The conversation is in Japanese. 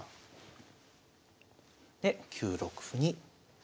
で９六歩に。